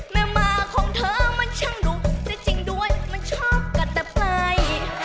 แม่หมาของเธอมันช่างหลุกได้จริงด้วยมันชอบกัดแต่ไป